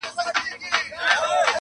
څوک چي په تېغ لوبي کوي زخمي به سینه.!